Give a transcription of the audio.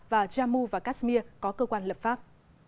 và jammu và kashmir có cơ quan lập pháp